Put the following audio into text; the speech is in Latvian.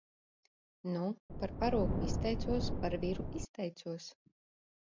Nu? Par parūku izteicos, par viru izteicos!